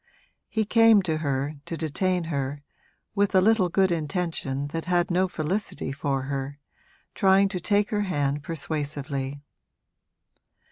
He came to her, to detain her, with a little good intention that had no felicity for her, trying to take her hand persuasively.